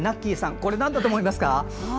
これ、なんだと思いますか？